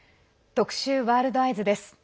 特集「ワールドＥＹＥＳ」。